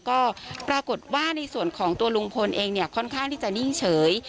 ก็ปรากฏว่าในส่วนของตัวลุงพลเองเนี่ยค่อนข้างที่จะนิ่งเฉย